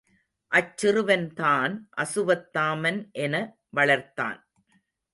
அச்சிறுவன்தான் அசுவத்தாமன் என வளர்ந்தான்.